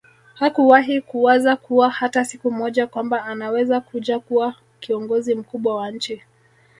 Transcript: Hakuwai kuwaza kuwa hata siku moja kwamba anaweza kuja kuwa kiongozi mkubwa wa nchi